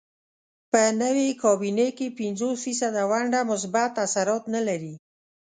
په نوې کابینې کې پنځوس فیصده ونډه مثبت اثرات نه لري.